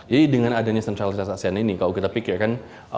jadi dengan adanya sentralitas asean ini kalau kita pikir kan